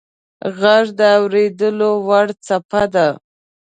• ږغ د اورېدو وړ څپه ده.